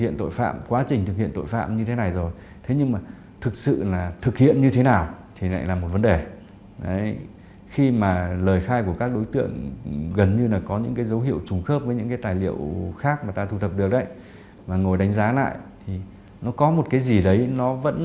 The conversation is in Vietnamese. nó có một cái gì đấy nó vẫn chưa thỏa mãn